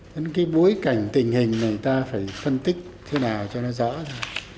vẫn cái bối cảnh tình hình này ta phải phân tích thế nào cho nó rõ ràng